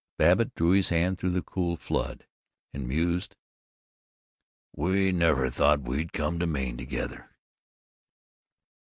Babbitt drew his hand through the cool flood, and mused: "We never thought we'd come to Maine together!"